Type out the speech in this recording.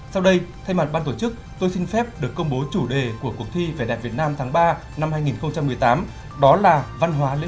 sau đây thay mặt ban tổ chức tôi xin phép được công bố chủ đề của cuộc thi vẻ đẹp việt nam tháng ba năm hai nghìn một mươi tám đó là văn hóa lễ hội